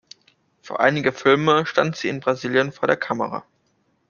Für einige Filme stand sie in Brasilien vor der Kamera.